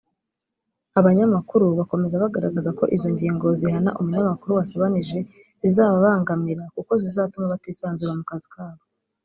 Abanyamakuru bakomeza bagaragaza ko izo ngingo zihana umunyamakuru wasebanije zizababangamira kuko zizatuma batisanzura mu kazi kabo